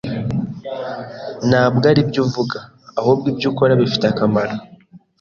Ntabwo aribyo uvuga, ahubwo ibyo ukora bifite akamaro.